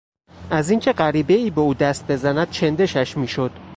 از اینکه غریبهای به او دست بزند چندشش میشد.